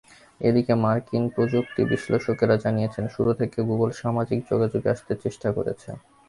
এদিকে মার্কিন প্রযুক্তিবিশ্লেষকেরা জানিয়েছেন, শুরু থেকেই গুগল সামাজিক যোগাযোগে আসতে চেষ্টা করেছে।